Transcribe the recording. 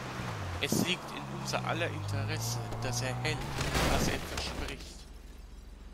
Es liegt in unser aller Interesse, dass er hält, was er verspricht.